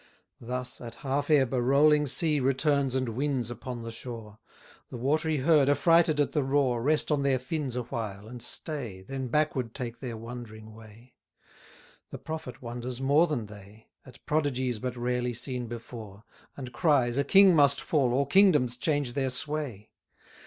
Thus, at half ebb, a rolling sea Returns and wins upon the shore; The watery herd, affrighted at the roar, Rest on their fins awhile, and stay, Then backward take their wondering way: The prophet wonders more than they, At prodigies but rarely seen before, And cries, A king must fall, or kingdoms change their sway.